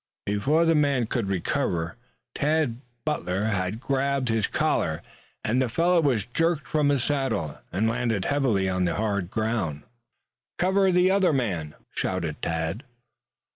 Before the man could recover, Tad Butler had fastened upon his collar, and the fellow was jerked from his saddle and landed heavily on the hard ground. "Cover the other man!" shouted Tad.